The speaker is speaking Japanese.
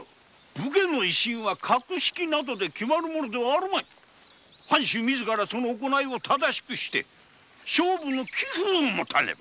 武家の威信は格式などで決まるものではあるまい藩主自らその行いを正しくして尚武の気風をもたねば。